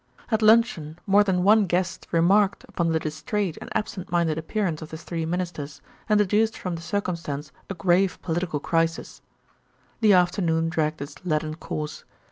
At luncheon more than one guest remarked upon the distrait and absent minded appearance of the three Ministers, and deduced from the circumstance a grave political crisis. The afternoon dragged its leaden course.